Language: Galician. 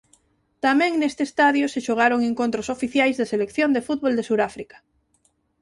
Tamén neste estadio se xogaron encontros oficiais da selección de fútbol de Suráfrica.